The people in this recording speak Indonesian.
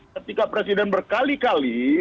ketika presiden berkali kali